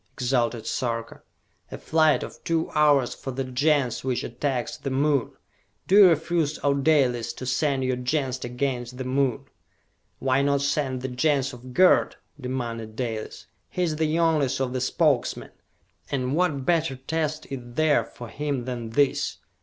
exulted Sarka. "A flight of two hours for the Gens which attacks the Moon! Do you refuse, O Dalis, to send your Gens against the Moon?" "Why not send the Gens of Gerd!" demanded Dalis. "He is the youngest of the Spokesmen, and what better test is there for him than this?"